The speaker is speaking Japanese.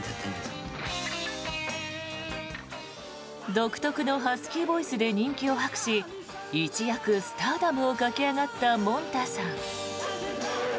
独特のハスキーボイスで人気を博し一躍スターダムを駆け上がったもんたさん。